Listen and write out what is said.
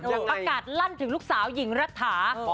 ประกาศลั่นถึงลูกสาวหญิงรัฐา